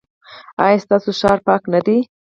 ایا ستاسو ښار پاک نه دی؟